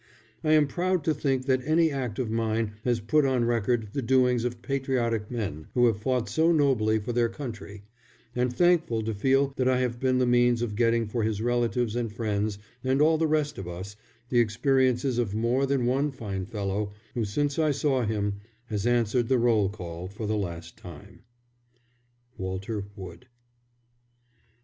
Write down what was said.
I am proud to think that any act of mine has put on record the doings of patriotic men who have fought so nobly for their country; and thankful to feel that I have been the means of getting for his relatives and friends and all the rest of us the experiences of more than one fine fellow who since I saw him has answered the roll call for the last time. WALTER WOOD.